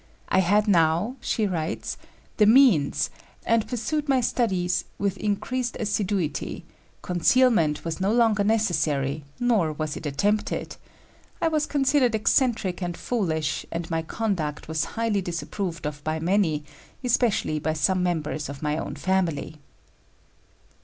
"I had now," she writes, "the means, and pursued my studies with increased assiduity; concealment was no longer necessary, nor was it attempted. I was considered eccentric and foolish, and my conduct was highly disapproved of by many, especially by some members of my own family."